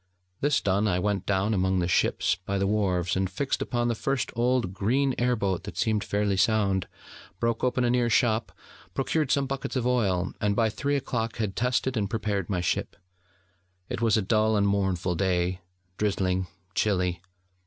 This done, I went down among the ships by the wharves, and fixed upon the first old green air boat that seemed fairly sound, broke open a near shop, procured some buckets of oil, and by three o'clock had tested and prepared my ship. It was a dull and mournful day, drizzling, chilly.